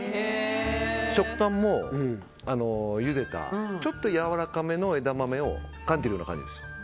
食感もゆでたちょっとやわらかめの枝豆をかんでいるような感じです。